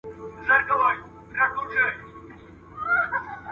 هغه كه نه غواړي ژوندون دومره خبـره نه ده